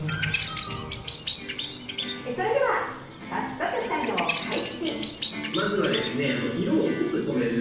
それでは早速、作業開始。